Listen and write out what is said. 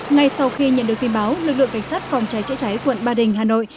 ngay sau khi nhận được tin báo lực lượng cảnh sát phòng cháy chữa cháy quận ba đình hà nội